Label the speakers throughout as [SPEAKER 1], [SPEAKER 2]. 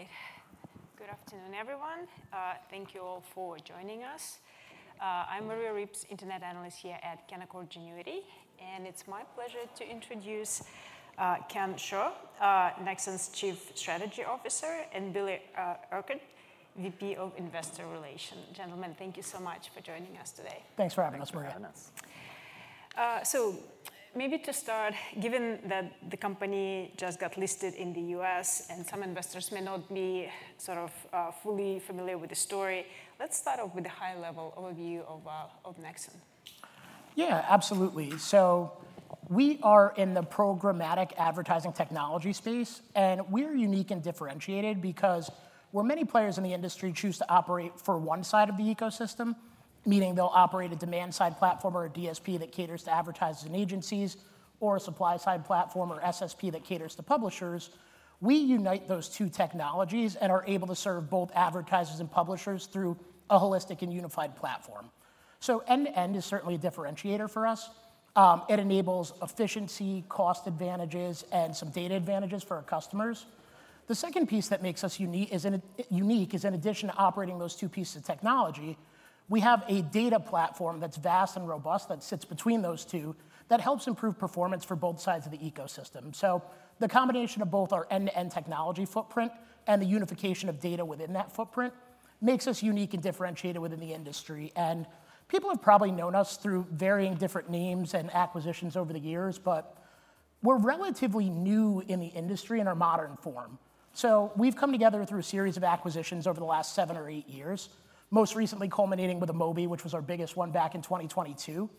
[SPEAKER 1] All right. Good afternoon, everyone. Thank you all for joining us. I'm Maria Ripps, Internet Analyst here at Canaccord Genuity, and it's my pleasure to introduce Ken Suh, Nexxen's Chief Strategy Officer, and Billy Eckert, Vice President of Investor Relations. Gentlemen, thank you so much for joining us today.
[SPEAKER 2] Thanks for having us, Maria.
[SPEAKER 1] Maybe to start, given that the company just got listed in the U.S. and some investors may not be sort of fully familiar with the story, let's start off with a high-level overview of Nexxen.
[SPEAKER 2] Yeah, absolutely. We are in the programmatic advertising technology space, and we're unique and differentiated because where many players in the industry choose to operate for one side of the ecosystem, meaning they'll operate a demand-side platform or a DSP that caters to advertisers and agencies, or a supply-side platform or SSP that caters to publishers, we unite those two technologies and are able to serve both advertisers and publishers through a holistic and unified platform. End-to-end is certainly a differentiator for us. It enables efficiency, cost advantages, and some data advantages for our customers. The second piece that makes us unique is, in addition to operating those two pieces of technology, we have a data platform that's vast and robust that sits between those two that helps improve performance for both sides of the ecosystem. The combination of both our end-to-end technology footprint and the unification of data within that footprint makes us unique and differentiated within the industry. People have probably known us through varying different names and acquisitions over the years, but we're relatively new in the industry in our modern form. We've come together through a series of acquisitions over the last seven or eight years, most recently culminating with Amobee, which was our biggest one back in 2022.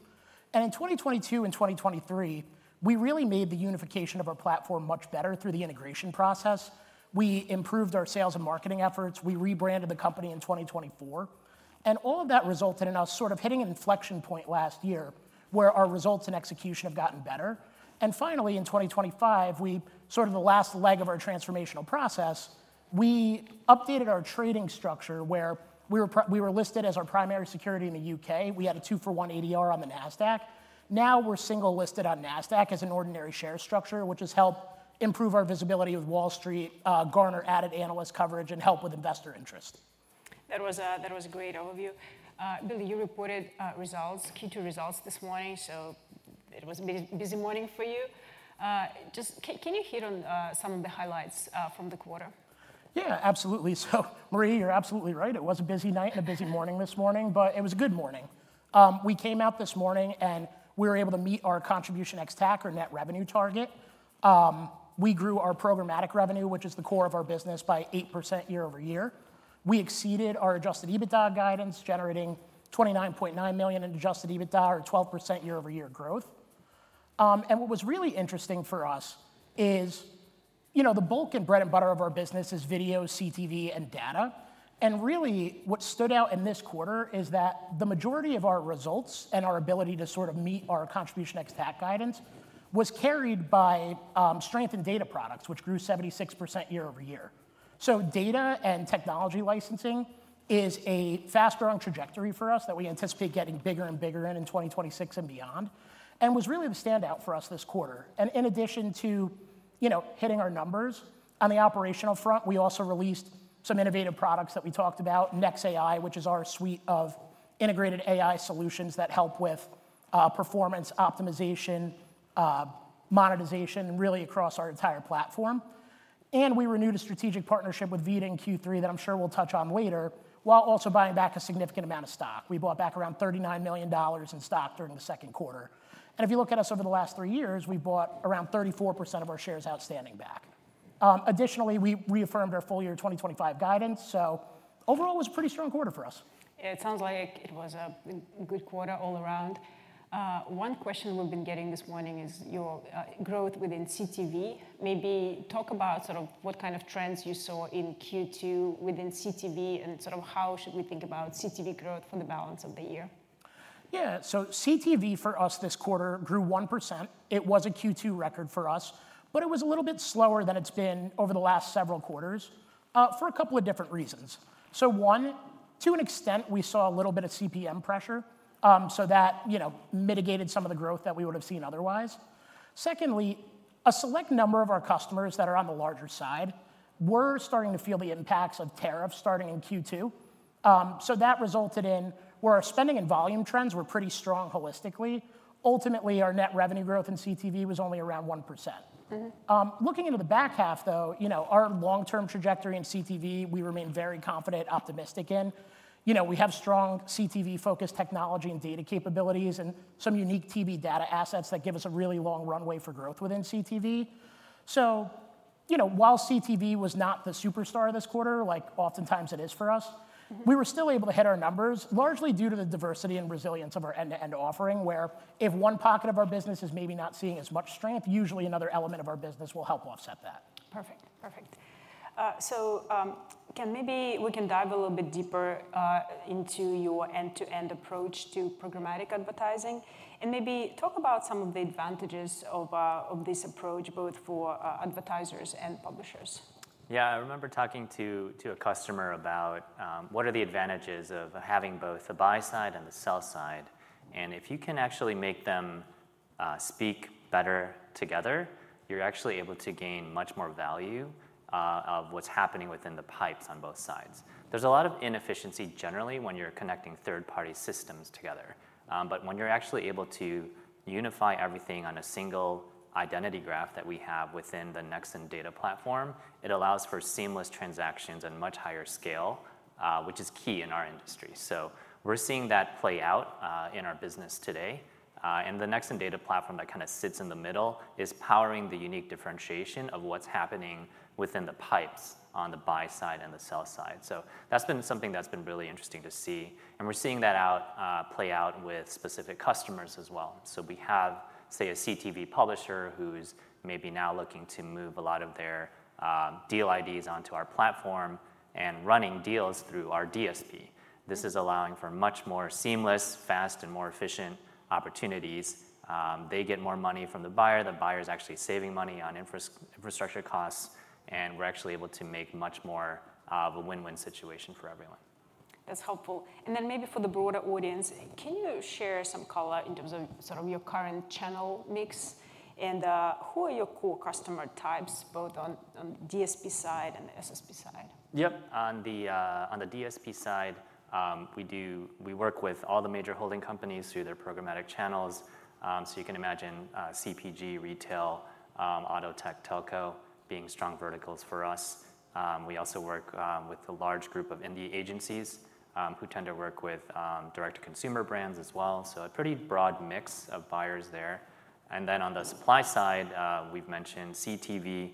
[SPEAKER 2] In 2022 and 2023, we really made the unification of our platform much better through the integration process. We improved our sales and marketing efforts. We rebranded the company in 2024. All of that resulted in us sort of hitting an inflection point last year where our results and execution have gotten better. Finally, in 2025, the last leg of our transformational process, we updated our trading structure where we were listed as our primary security in the U.K. We had a two-for-one ADR on the Nasdaq. Now we're single listed on Nasdaq as an ordinary share structure, which has helped improve our visibility with Wall Street, garner added analyst coverage, and help with investor interest.
[SPEAKER 1] That was a great overview. Billy, you reported Q2 results this morning, so it was a busy morning for you. Can you hit on some of the highlights from the quarter?
[SPEAKER 2] Yeah, absolutely. Maria, you're absolutely right. It was a busy night and a busy morning this morning, but it was a good morning. We came out this morning and we were able to meet our contribution ex-tack or net revenue target. We grew our programmatic revenue, which is the core of our business, by 8% year-over-year. We exceeded our adjusted EBITDA guidance, generating $29.9 million in adjusted EBITDA or 12% year-over-year growth. What was really interesting for us is, you know, the bulk and bread and butter of our business is video, CTV, and data. Really what stood out in this quarter is that the majority of our results and our ability to sort of meet our contribution ex-tack guidance was carried by strength in data products, which grew 76% year-over-year. Data and technology licensing is a fast-growing trajectory for us that we anticipate getting bigger and bigger in 2026 and beyond, and was really the standout for us this quarter. In addition to hitting our numbers on the operational front, we also released some innovative products that we talked about, NexAI, which is our suite of integrated AI solutions that help with performance optimization, monetization, really across our entire platform. We renewed a strategic partnership with VIDAA in Q3 that I'm sure we'll touch on later, while also buying back a significant amount of stock. We bought back around $39 million in stock during the second quarter. If you look at us over the last three years, we bought around 34% of our shares outstanding back. Additionally, we reaffirmed our full-year 2025 guidance. Overall, it was a pretty strong quarter for us.
[SPEAKER 1] Yeah, it sounds like it was a good quarter all around. One question we've been getting this morning is your growth within CTV. Maybe talk about sort of what kind of trends you saw in Q2 within CTV and sort of how should we think about CTV growth for the balance of the year?
[SPEAKER 2] Yeah, so CTV for us this quarter grew 1%. It was a Q2 record for us, but it was a little bit slower than it's been over the last several quarters for a couple of different reasons. One, to an extent, we saw a little bit of CPM pressure, so that mitigated some of the growth that we would have seen otherwise. Secondly, a select number of our customers that are on the larger side were starting to feel the impacts of tariffs starting in Q2. That resulted in where our spending and volume trends were pretty strong holistically. Ultimately, our net revenue growth in CTV was only around 1%. Looking into the back half, though, our long-term trajectory in CTV, we remain very confident, optimistic in. We have strong CTV-focused technology and data capabilities and some unique TV data assets that give us a really long runway for growth within CTV. While CTV was not the superstar this quarter, like oftentimes it is for us, we were still able to hit our numbers, largely due to the diversity and resilience of our end-to-end offering, where if one pocket of our business is maybe not seeing as much strength, usually another element of our business will help offset that.
[SPEAKER 1] Perfect. Ken, maybe we can dive a little bit deeper into your end-to-end approach to programmatic advertising and maybe talk about some of the advantages of this approach, both for advertisers and publishers.
[SPEAKER 3] Yeah, I remember talking to a customer about what are the advantages of having both the buy side and the sell side. If you can actually make them speak better together, you're actually able to gain much more value of what's happening within the pipes on both sides. There's a lot of inefficiency generally when you're connecting third-party systems together. When you're actually able to unify everything on a single identity graph that we have within the Nexxen data platform, it allows for seamless transactions and much higher scale, which is key in our industry. We're seeing that play out in our business today. The Nexxen data platform that kind of sits in the middle is powering the unique differentiation of what's happening within the pipes on the buy side and the sell side. That's been something that's been really interesting to see. We're seeing that play out with specific customers as well. We have, say, a CTV publisher who's maybe now looking to move a lot of their deal IDs onto our platform and running deals through our DSP. This is allowing for much more seamless, fast, and more efficient opportunities. They get more money from the buyer. The buyer's actually saving money on infrastructure costs, and we're actually able to make much more of a win-win situation for everyone.
[SPEAKER 1] That's helpful. Maybe for the broader audience, can you share some color in terms of your current channel mix and who are your core customer types, both on the DSP side and the SSP side?
[SPEAKER 3] Yep. On the DSP side, we work with all the major holding companies through their programmatic channels. You can imagine CPG, retail, auto tech, telco being strong verticals for us. We also work with a large group of indie agencies who tend to work with direct-to-consumer brands as well, so a pretty broad mix of buyers there. On the supply side, we've mentioned CTV.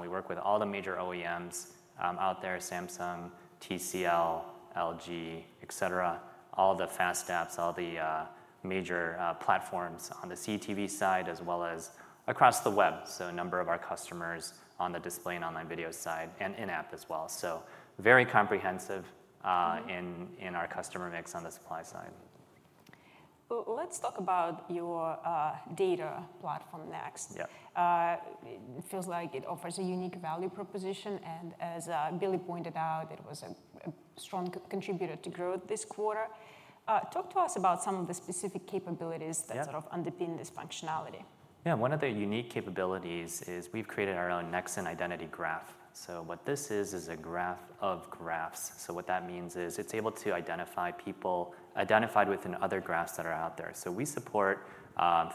[SPEAKER 3] We work with all the major OEMs out there – Samsung, TCL, LG, etc., all the FAST apps, all the major platforms on the CTV side, as well as across the web. A number of our customers are on the display and online video side and in-app as well. Very comprehensive in our customer mix on the supply side.
[SPEAKER 1] Let's talk about your data platform next. It feels like it offers a unique value proposition. As Billy pointed out, it was a strong contributor to growth this quarter. Talk to us about some of the specific capabilities that underpin this functionality.
[SPEAKER 3] Yeah, one of the unique capabilities is we've created our own Nexxen identity graph. What this is is a graph of graphs. What that means is it's able to identify people identified within other graphs that are out there. We support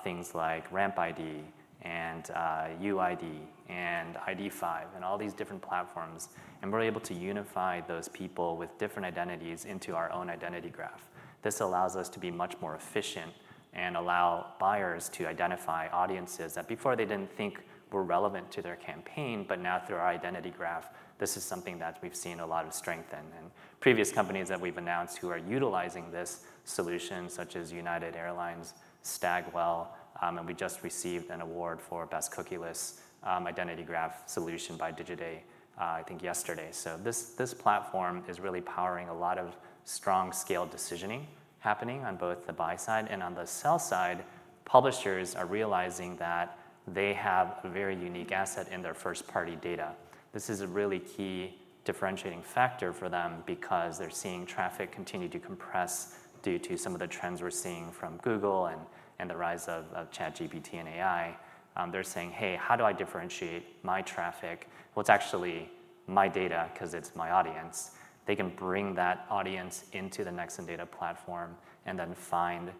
[SPEAKER 3] things like RampID and UID and ID5 and all these different platforms. We're able to unify those people with different identities into our own identity graph. This allows us to be much more efficient and allow buyers to identify audiences that before they didn't think were relevant to their campaign. Now, through our identity graph, this is something that we've seen a lot of strength in. Previous companies that we've announced who are utilizing this solution, such as United Airlines, Stagwell, and we just received an award for Best Cookie List Identity Graph Solution by Digiday, I think yesterday. This platform is really powering a lot of strong scale decisioning happening on both the buy side. On the sell side, publishers are realizing that they have a very unique asset in their first-party data. This is a really key differentiating factor for them because they're seeing traffic continue to compress due to some of the trends we're seeing from Google and the rise of ChatGPT and AI. They're saying, "Hey, how do I differentiate my traffic?" It's actually my data because it's my audience. They can bring that audience into the Nexxen data platform and then find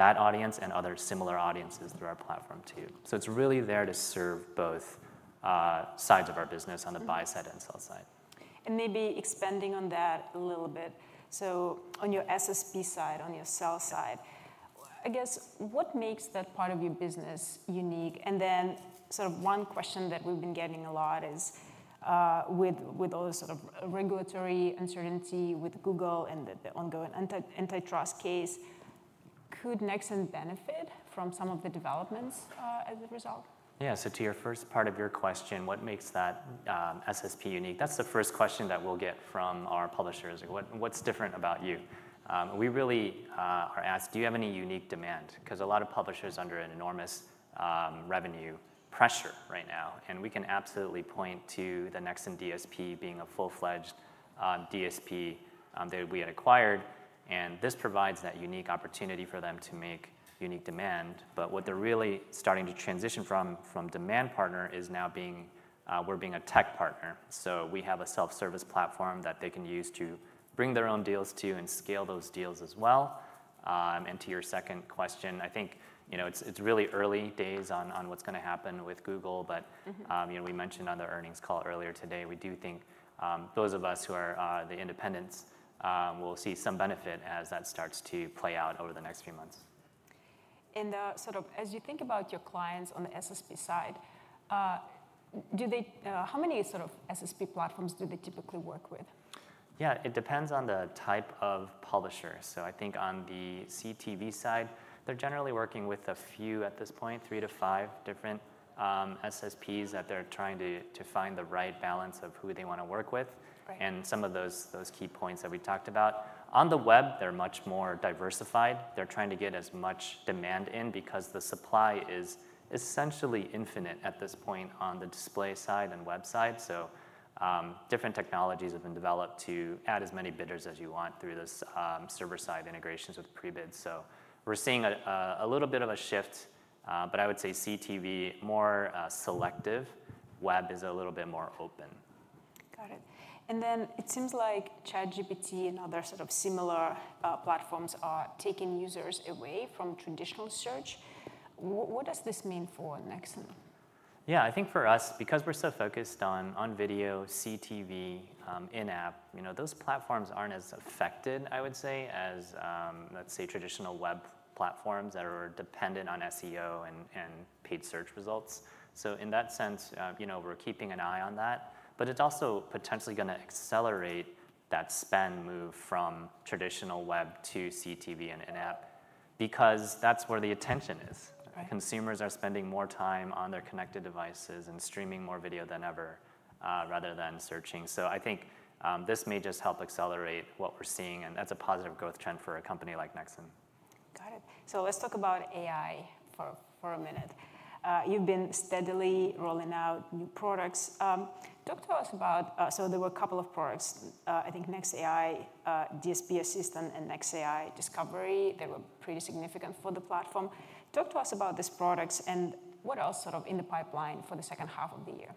[SPEAKER 3] that audience and other similar audiences through our platform too. It's really there to serve both sides of our business on the buy side and sell side.
[SPEAKER 1] Maybe expanding on that a little bit, on your SSP side, on your sell side, what makes that part of your business unique? One question that we've been getting a lot is with all the regulatory uncertainty with Google and the ongoing antitrust case, could Nexxen benefit from some of the developments as a result?
[SPEAKER 3] Yeah, to your first part of your question, what makes that SSP unique? That's the first question that we'll get from our publishers. What's different about you? We really are asked, do you have any unique demand? A lot of publishers are under enormous revenue pressure right now. We can absolutely point to the Nexxen DSP being a full-fledged DSP that we had acquired. This provides that unique opportunity for them to make unique demand. What they're really starting to transition from a demand partner is now we're being a tech partner. We have a self-service platform that they can use to bring their own deals to and scale those deals as well. To your second question, I think it's really early days on what's going to happen with Google. We mentioned on the earnings call earlier today, we do think those of us who are the independents will see some benefit as that starts to play out over the next few months.
[SPEAKER 1] As you think about your clients on the SSP side, how many SSP platforms do they typically work with?
[SPEAKER 3] Yeah, it depends on the type of publisher. I think on the CTV side, they're generally working with a few at this point, three to five different SSPs that they're trying to find the right balance of who they want to work with, and some of those key points that we talked about. On the web, they're much more diversified. They're trying to get as much demand in because the supply is essentially infinite at this point on the display side and website. Different technologies have been developed to add as many bidders as you want through these server-side integrations with prebids. We're seeing a little bit of a shift. I would say CTV is more selective. Web is a little bit more open.
[SPEAKER 1] Got it. It seems like ChatGPT and other sort of similar platforms are taking users away from traditional search. What does this mean for Nexxen?
[SPEAKER 3] Yeah, I think for us, because we're so focused on video, CTV, in-app, those platforms aren't as affected, I would say, as let's say traditional web platforms that are dependent on SEO and paid search results. In that sense, we're keeping an eye on that. It's also potentially going to accelerate that spend move from traditional web to CTV and in-app because that's where the attention is. Consumers are spending more time on their connected devices and streaming more video than ever, rather than searching. I think this may just help accelerate what we're seeing. That's a positive growth trend for a company like Nexxen.
[SPEAKER 1] Got it. Let's talk about AI for a minute. You've been steadily rolling out new products. Talk to us about, there were a couple of products, I think NexAI DSP Assistant and NexAI Discovery, that were pretty significant for the platform. Talk to us about these products and what else is in the pipeline for the second half of the year.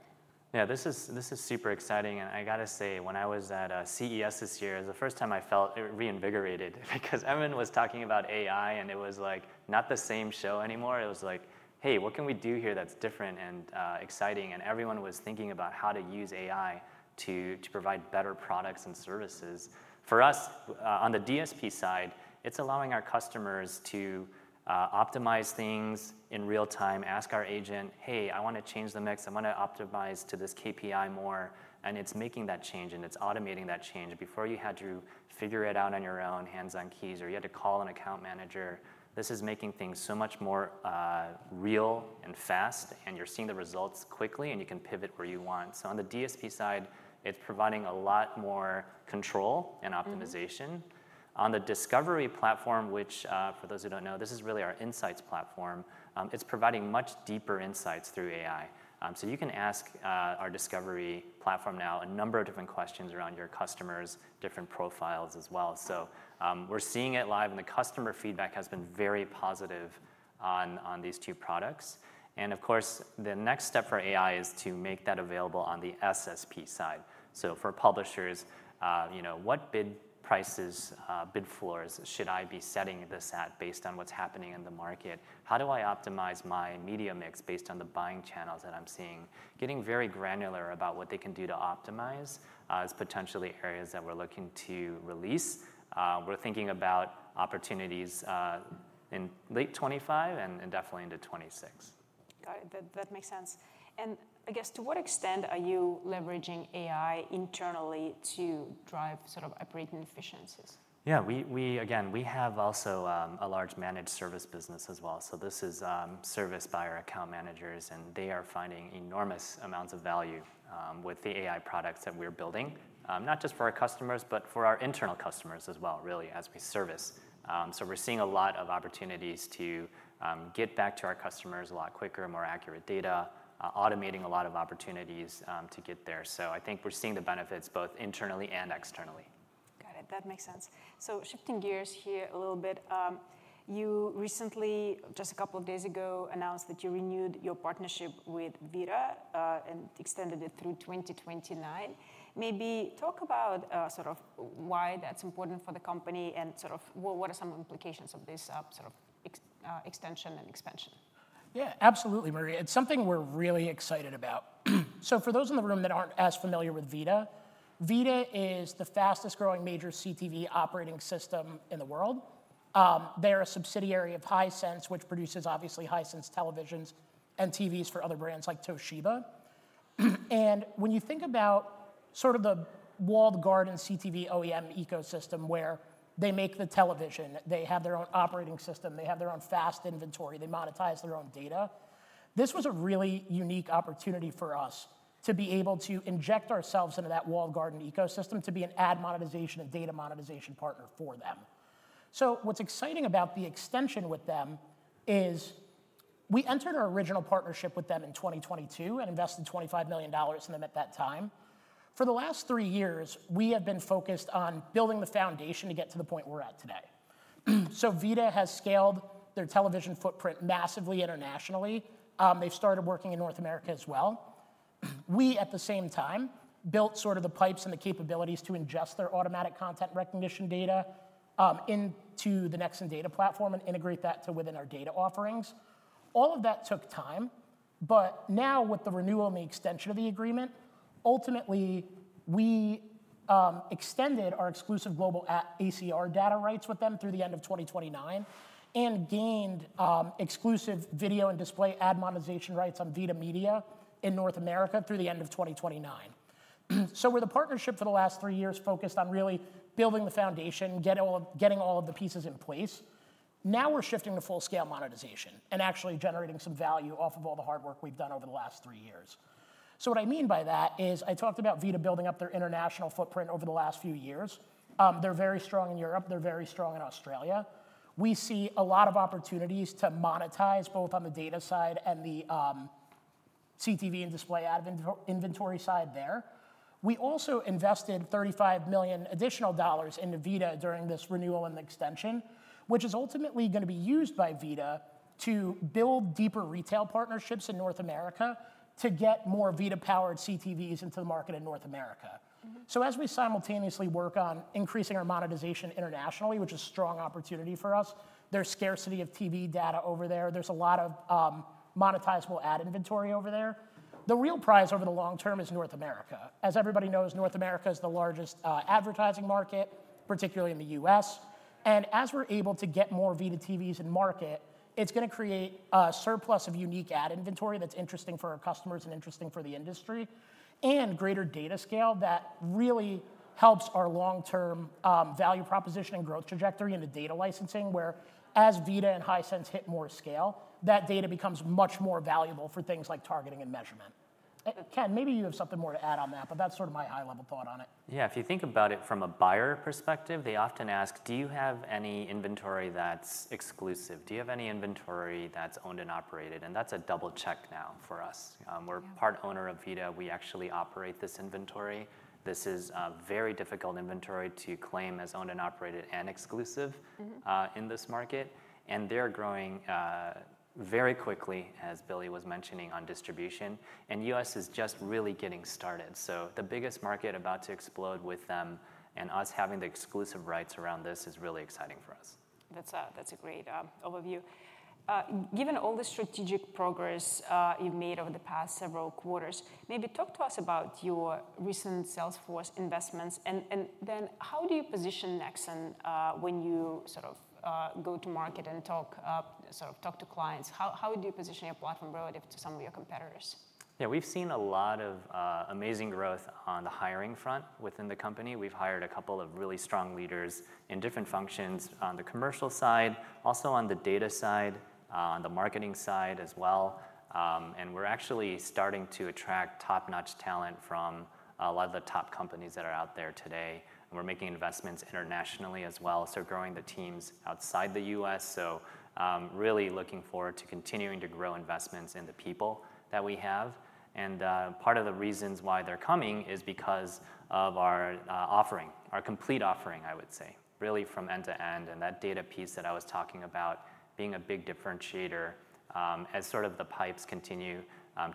[SPEAKER 3] Yeah, this is super exciting. I got to say, when I was at CES this year, it was the first time I felt reinvigorated because Evan was talking about AI and it was not the same show anymore. It was like, hey, what can we do here that's different and exciting? Everyone was thinking about how to use AI to provide better products and services. For us, on the DSP side, it's allowing our customers to optimize things in real time, ask our agent, "Hey, I want to change the mix. I want to optimize to this KPI more." It's making that change and it's automating that change. Before, you had to figure it out on your own, hands-on keys, or you had to call an account manager. This is making things so much more real and fast. You're seeing the results quickly and you can pivot where you want. On the DSP side, it's providing a lot more control and optimization. On the Discovery platform, which for those who don't know, this is really our insights platform, it's providing much deeper insights through AI. You can ask our Discovery platform now a number of different questions around your customers' different profiles as well. We're seeing it live and the customer feedback has been very positive on these two products. Of course, the next step for AI is to make that available on the SSP side. For publishers, you know, what bid prices, bid floors should I be setting this at based on what's happening in the market? How do I optimize my media mix based on the buying channels that I'm seeing? Getting very granular about what they can do to optimize is potentially areas that we're looking to release. We're thinking about opportunities in late 2025 and definitely into 2026.
[SPEAKER 1] Got it. That makes sense. To what extent are you leveraging AI internally to drive sort of operating efficiencies?
[SPEAKER 3] Yeah, we have also a large managed service business as well. This is serviced by our account managers, and they are finding enormous amounts of value with the AI products that we're building, not just for our customers, but for our internal customers as well, really, as we service. We're seeing a lot of opportunities to get back to our customers a lot quicker, more accurate data, automating a lot of opportunities to get there. I think we're seeing the benefits both internally and externally.
[SPEAKER 1] Got it. That makes sense. Shifting gears here a little bit, you recently, just a couple of days ago, announced that you renewed your partnership with VIDAA and extended it through 2029. Maybe talk about why that's important for the company and what are some implications of this extension and expansion.
[SPEAKER 2] Yeah, absolutely, Maria. It's something we're really excited about. For those in the room that aren't as familiar with VIDAA, VIDAA is the fastest growing major CTV operating system in the world. They're a subsidiary of Hisense, which produces, obviously, Hisense televisions and TVs for other brands like Toshiba. When you think about the walled garden CTV OEM ecosystem where they make the television, they have their own operating system, they have their own FAST inventory, they monetize their own data, this was a really unique opportunity for us to be able to inject ourselves into that walled garden ecosystem to be an ad monetization and data monetization partner for them. What's exciting about the extension with them is we entered an original partnership with them in 2022 and invested $25 million in them at that time. For the last three years, we have been focused on building the foundation to get to the point we're at today. VIDAA has scaled their television footprint massively internationally. They've started working in North America as well. We, at the same time, built the pipes and the capabilities to ingest their ACR data into the Nexxen data platform and integrate that within our data offerings. All of that took time, but now with the renewal and the extension of the agreement, we extended our exclusive global ACR data rights with them through the end of 2029 and gained exclusive video and display ad monetization rights on VIDAA Media in North America through the end of 2029. With a partnership for the last three years focused on really building the foundation, getting all of the pieces in place, now we're shifting to full-scale monetization and actually generating some value off of all the hard work we've done over the last three years. What I mean by that is I talked about VIDAA building up their international footprint over the last few years. They're very strong in Europe. They're very strong in Australia. We see a lot of opportunities to monetize both on the data side and the CTV and display ad inventory side there. We also invested $35 million additional dollars into VIDAA during this renewal and the extension, which is ultimately going to be used by VIDAA to build deeper retail partnerships in North America to get more VIDAA-powered CTVs into the market in North America. As we simultaneously work on increasing our monetization internationally, which is a strong opportunity for us, there's scarcity of TV data over there. There's a lot of monetizable ad inventory over there. The real prize over the long term is North America. As everybody knows, North America is the largest advertising market, particularly in the U.S. As we're able to get more VIDAA TVs in market, it's going to create a surplus of unique ad inventory that's interesting for our customers and interesting for the industry, and greater data scale that really helps our long-term value proposition and growth trajectory into data licensing where, as VIDAA and Hisense hit more scale, that data becomes much more valuable for things like targeting and measurement. Ken, maybe you have something more to add on that, but that's sort of my high-level thought on it.
[SPEAKER 3] Yeah, if you think about it from a buyer perspective, they often ask, do you have any inventory that's exclusive? Do you have any inventory that's owned and operated? That's a double check now for us. We're part owner of VIDAA. We actually operate this inventory. This is a very difficult inventory to claim as owned and operated and exclusive in this market. They're growing very quickly, as Billy was mentioning, on distribution. The U.S. is just really getting started. The biggest market is about to explode with them, and us having the exclusive rights around this is really exciting for us.
[SPEAKER 1] That's a great overview. Given all the strategic progress you've made over the past several quarters, maybe talk to us about your recent Salesforce investments and then how do you position Nexxen when you sort of go to market and talk to clients? How do you position your platform relative to some of your competitors?
[SPEAKER 3] Yeah, we've seen a lot of amazing growth on the hiring front within the company. We've hired a couple of really strong leaders in different functions on the commercial side, also on the data side, on the marketing side as well. We're actually starting to attract top-notch talent from a lot of the top companies that are out there today. We're making investments internationally as well, growing the teams outside the U.S. Really looking forward to continuing to grow investments in the people that we have. Part of the reasons why they're coming is because of our offering, our complete offering, I would say, really from end to end. That data piece that I was talking about being a big differentiator as the pipes continue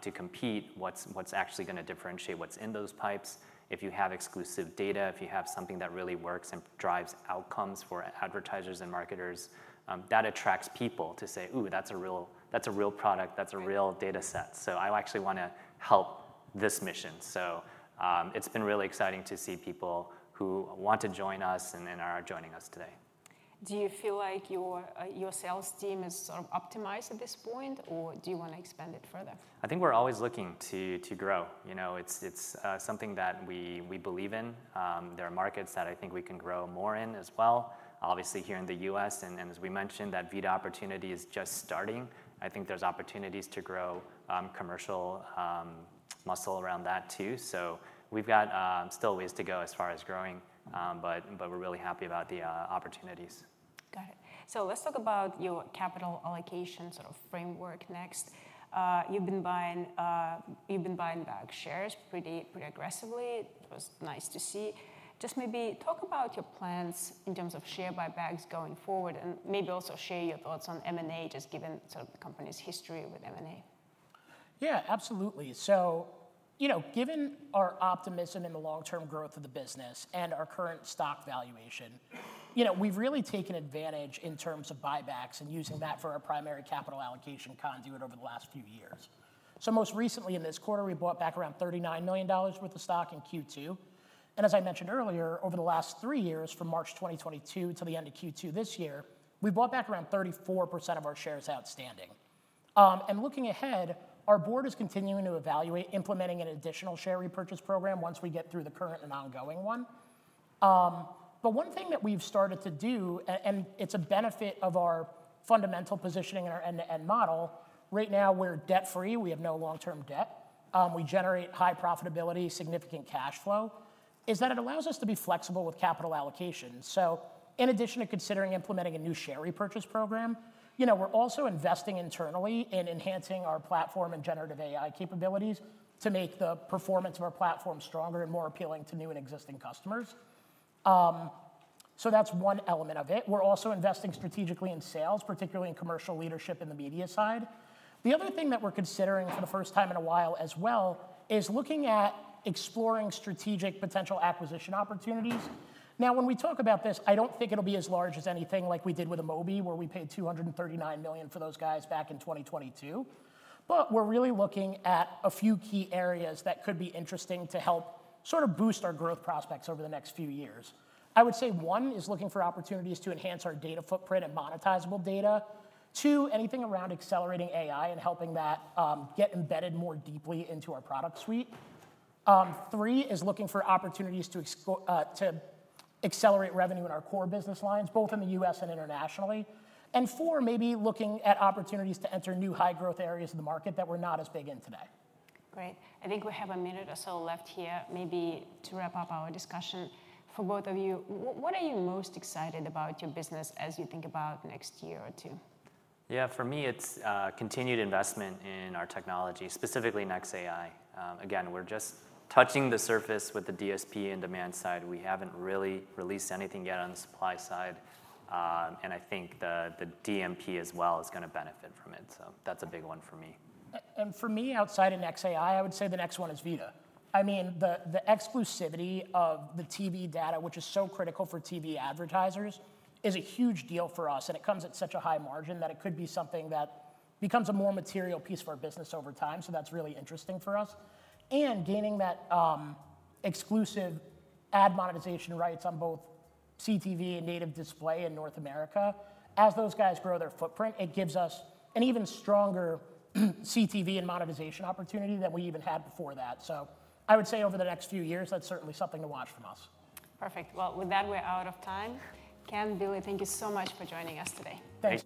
[SPEAKER 3] to compete, what's actually going to differentiate what's in those pipes? If you have exclusive data, if you have something that really works and drives outcomes for advertisers and marketers, that attracts people to say, ooh, that's a real product, that's a real data set. I actually want to help this mission. It's been really exciting to see people who want to join us and then are joining us today.
[SPEAKER 1] Do you feel like your sales team is sort of optimized at this point, or do you want to expand it further?
[SPEAKER 3] I think we're always looking to grow. You know, it's something that we believe in. There are markets that I think we can grow more in as well. Obviously, here in the U.S., and as we mentioned, that VIDAA opportunity is just starting. I think there's opportunities to grow commercial muscle around that too. We've got still ways to go as far as growing, but we're really happy about the opportunities.
[SPEAKER 1] Got it. Let's talk about your capital allocation sort of framework next. You've been buying back shares pretty aggressively. It was nice to see. Just maybe talk about your plans in terms of share buybacks going forward and maybe also share your thoughts on M&A, just given sort of the company's history with M&A.
[SPEAKER 2] Yeah, absolutely. Given our optimism in the long-term growth of the business and our current stock valuation, we've really taken advantage in terms of buybacks and using that for our primary capital allocation conduit over the last few years. Most recently in this quarter, we bought back around $39 million worth of stock in Q2. As I mentioned earlier, over the last three years, from March 2022 to the end of Q2 this year, we bought back around 34% of our shares outstanding. Looking ahead, our board is continuing to evaluate implementing an additional share repurchase program once we get through the current and ongoing one. One thing that we've started to do, and it's a benefit of our fundamental positioning in our end-to-end model, right now we're debt-free. We have no long-term debt. We generate high profitability and significant cash flow, which allows us to be flexible with capital allocations. In addition to considering implementing a new share repurchase program, we're also investing internally in enhancing our platform and generative AI capabilities to make the performance of our platform stronger and more appealing to new and existing customers. That's one element of it. We're also investing strategically in sales, particularly in commercial leadership in the media side. The other thing that we're considering for the first time in a while as well is looking at exploring strategic potential acquisition opportunities. When we talk about this, I don't think it'll be as large as anything like we did with Amobee where we paid $239 million for those guys back in 2022. We're really looking at a few key areas that could be interesting to help sort of boost our growth prospects over the next few years. I would say one is looking for opportunities to enhance our data footprint and monetizable data. Two, anything around accelerating AI and helping that get embedded more deeply into our product suite. Three is looking for opportunities to accelerate revenue in our core business lines, both in the U.S. and internationally. Four, maybe looking at opportunities to enter new high-growth areas in the market that we're not as big in today.
[SPEAKER 1] Great. I think we have a minute or so left here, maybe to wrap up our discussion for both of you. What are you most excited about your business as you think about next year or two?
[SPEAKER 3] Yeah, for me, it's continued investment in our technology, specifically NexAI. Again, we're just touching the surface with the DSP and demand side. We haven't really released anything yet on the supply side. I think the DMP as well is going to benefit from it. That's a big one for me.
[SPEAKER 2] For me, outside of NexAI, I would say the next one is VIDAA. The exclusivity of the TV data, which is so critical for TV advertisers, is a huge deal for us. It comes at such a high margin that it could be something that becomes a more material piece of our business over time. That's really interesting for us. Gaining that exclusive ad monetization rights on both CTV and native display in North America, as those guys grow their footprint, gives us an even stronger CTV and monetization opportunity than we even had before that. I would say over the next few years, that's certainly something to watch from us.
[SPEAKER 1] Perfect. With that, we're out of time. Ken, Billy, thank you so much for joining us today.
[SPEAKER 2] Thanks.
[SPEAKER 3] Thanks.